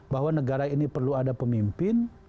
bahwa negara ini perlu ada pemimpin